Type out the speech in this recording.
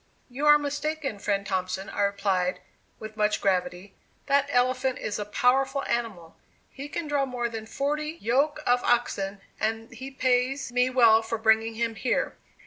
"You are mistaken, friend Thompson," I replied with much gravity; "that elephant is a powerful animal; he can draw more than forty yoke of oxen, and he pays me well for bringing him here."